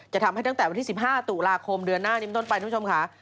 จะทำให้ตั้งแต่วันที่๑๕ตุลาคมเดือนหน้านิมต้นไปทุกชมค่ะ